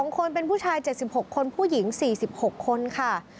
๒คนเป็นผู้ชาย๗๖คนผู้หญิง๔๖คนค่ะ